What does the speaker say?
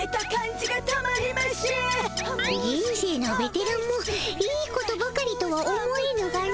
じ人生のベテランもいいことばかりとは思えぬがの。